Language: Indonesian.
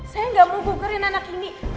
saya gak mau bukurin anak ini